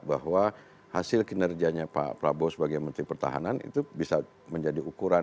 bahwa hasil kinerjanya pak prabowo sebagai menteri pertahanan itu bisa menjadi ukuran